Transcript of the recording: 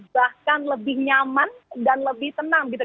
bahkan lebih nyaman dan lebih tenang gitu